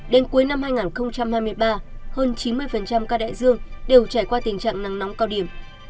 đến cuối năm hai nghìn hai mươi ba hơn chín mươi ca đại dương đều trải qua tình trạng nắng nóng cao điểm